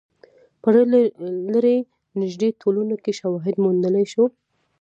په لرې نژدې ټولنو کې شواهد موندلای شو.